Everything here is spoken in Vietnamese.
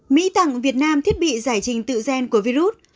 mỹ tặng việt nam thiết bị giải trình tự gen của virus